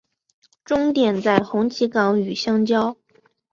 终点在红旗岗与相交。